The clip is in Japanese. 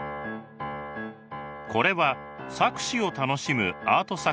これは錯視を楽しむアート作品。